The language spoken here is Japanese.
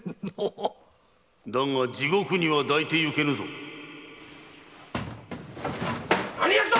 だが地獄には抱いて行けぬぞ。何奴だ！